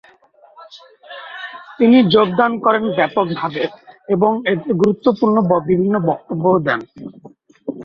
তিনি যোগদান করেন ব্যাপকভাবে এবং এতে গুরুত্বপূর্ণ বিভিন্ন বক্তব্যও দেন।